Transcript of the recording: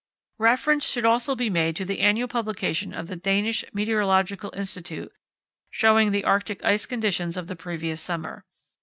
Reference should also be made to the annual publication of the Danish Meteorological Institute showing the Arctic ice conditions of the previous summer.